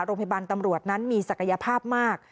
โรงพยาบาลตำรวจนั้นมีศักยภาพมาก